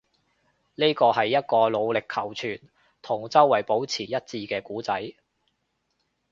呢個係一個努力求存，同周圍保持一致嘅故仔